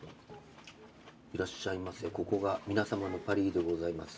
「いらっしゃいませココが皆様のパリーで御座います」